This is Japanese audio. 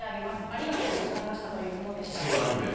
ありがとうございましたというものです。